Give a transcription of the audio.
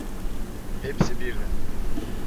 Hepsi birden.